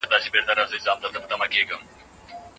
نجونې باید په کور کې د خپلو کورنیو په خدمت کې بوختې وي.